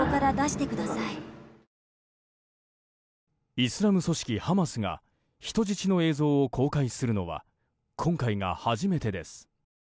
イスラム組織ハマスが人質の映像を公開するのは今回が初めてです。